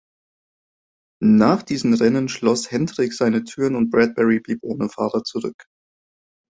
Nach diesen Rennen schloss Hedrick seine Türen, und Bradberry blieb ohne Fahrer zurück.